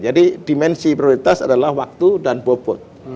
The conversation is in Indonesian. dimensi prioritas adalah waktu dan bobot